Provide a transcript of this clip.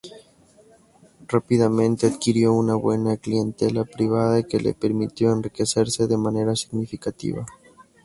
Rápidamente adquirió una buena clientela privada que le permitió enriquecerse de manera significativa.